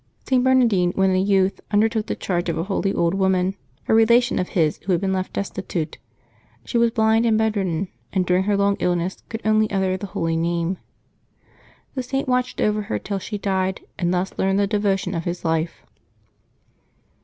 St. Bernardine, when a youth, under took the charge of a holy old woman, a relation of his, who had been left destitute. She was blind and bedridden, and during her long illness could only utter the Holy Name. The Saint watched over her till she died, and thus learned the devotion of his life.